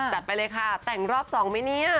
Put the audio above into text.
ไปเลยค่ะแต่งรอบสองไหมเนี่ย